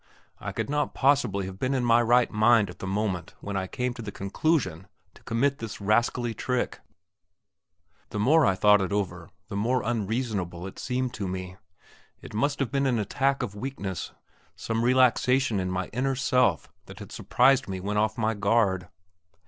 I could not possibly have been in my right mind at the moment when I came to the conclusion to commit this rascally trick. The more I thought over it the more unreasonable it seemed to me. It must have been an attack of weakness; some relaxation in my inner self that had surprised me when off my guard.